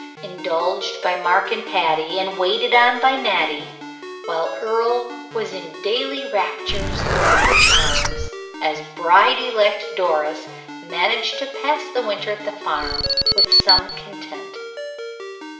Indulged by Mark and Patty, and waited on by Mattie, while Earle was in daily raptures over her charms, as bride elect Doris managed to pass the winter at the farm with some content.